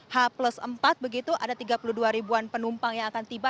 h plus empat begitu ada tiga puluh dua ribuan penumpang yang akan tiba